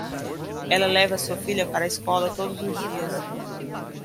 Ela leva sua filha para a escola todos os dias.